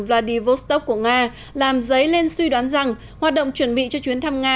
vladivostok của nga làm dấy lên suy đoán rằng hoạt động chuẩn bị cho chuyến thăm nga